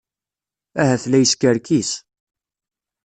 Ahat la yeskerkis.